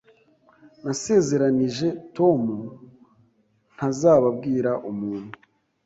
Nasezeranije Tom ntazabwira umuntu.